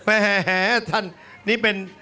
แหมท่านนี่เป็น